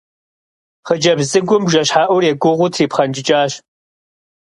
Хъыджэбз цӀыкӀум бжэщхьэӀур егугъуу трипхъэнкӀыкӀащ.